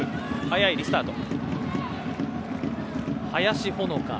早いリスタート。